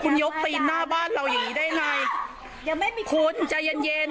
คุณยกปีนหน้าบ้านเราอย่างงี้ได้ไงยังไม่มีคุณใจเย็นเย็น